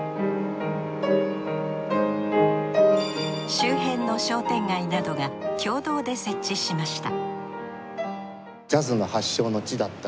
周辺の商店街などが共同で設置しました